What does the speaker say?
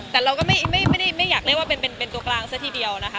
แต่เราก็ไม่ได้ไม่อยากเรียกว่าเป็นตัวกลางซะทีเดียวนะคะ